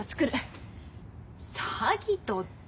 詐欺とって。